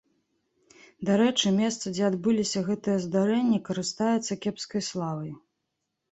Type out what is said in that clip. Дарэчы, месца, дзе адбыліся гэтыя здарэнні, карыстаецца кепскай славай.